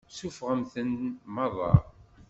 Suffɣemt-ten meṛṛa.